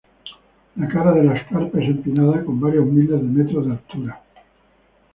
La cara de la escarpa es empinada, con varios miles de metros de altura.